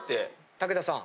武田さん